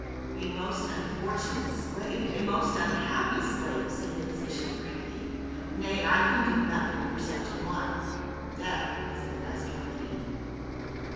"*" A most unfortunate slave — a most unhappy slave," said the physician gravely. " Nay, I can do nothing for such an one ; death is the best remedy."